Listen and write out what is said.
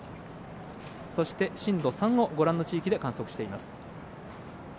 そして、震度３をご覧の地域で観測しています。